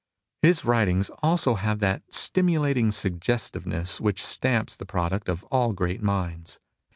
His writings also have that stimulating suggesti^eness which stamps the product of all great minds.